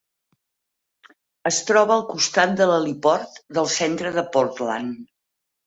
Es troba al costat de l'heliport del centre de Portland.